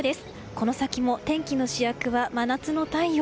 この先も天気の主役は真夏の太陽。